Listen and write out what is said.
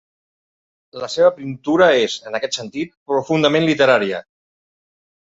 La seva pintura és, en aquest sentit, profundament literària.